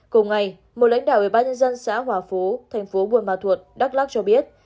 cùng ngày một lãnh đạo về ba nhân dân xã hòa phú thành phố buồn mà thuột đắk lóc cho biết